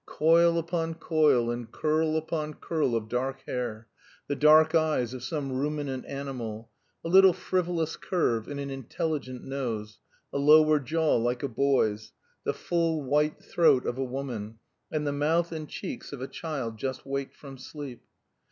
Coil upon coil, and curl upon curl of dark hair, the dark eyes of some ruminant animal, a little frivolous curve in an intelligent nose, a lower jaw like a boy's, the full white throat of a woman, and the mouth and cheeks of a child just waked from sleep.